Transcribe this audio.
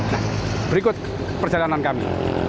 nah berikut perjalanan kami